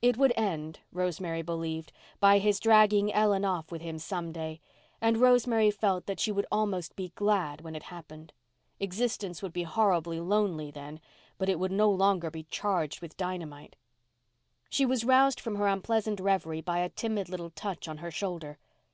It would end, Rosemary believed, by his dragging Ellen off with him some day, and Rosemary felt that she would be almost glad when it happened. Existence would be horribly lonely then, but it would be no longer charged with dynamite. She was roused from her unpleasant reverie by a timid little touch on her shoulder.